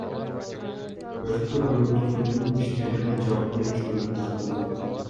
Өрткө бөгөт коюу иштерине жалпы үч бөлүм тартылды.